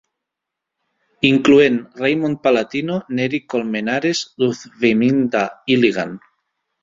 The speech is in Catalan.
Incloent Raymond Palatino, Neri Colmenares, Luzviminda Iligan.